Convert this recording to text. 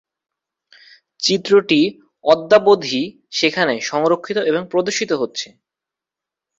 চিত্রটি অদ্যাবধি সেখানে সংরক্ষিত এবং প্রদর্শিত হচ্ছে।